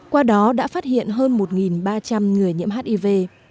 qua đó đã phát hiện hơn một ba trăm linh người nhiễm hiv